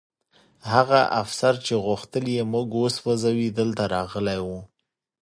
هغه افسر چې غوښتل یې موږ وسوځوي دلته راغلی و